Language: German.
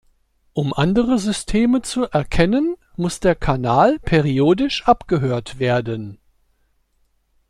Um andere Systeme zu erkennen, muss der Kanal periodisch abgehört werden.